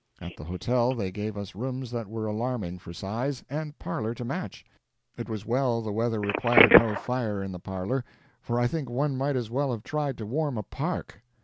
At the hotel they gave us rooms that were alarming, for size, and parlor to match. It was well the weather required no fire in the parlor, for I think one might as well have tried to warm a park.